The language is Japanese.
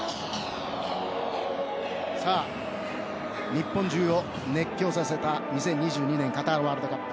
日本中を熱狂させた２０２２年カタールワールドカップ。